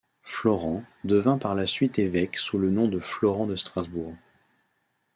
Florent devint par la suite évêque sous le nom de Florent de Strasbourg.